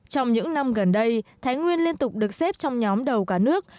trong những năm gần đây thái nguyên liên tục được xếp trong nhóm đầu cả nước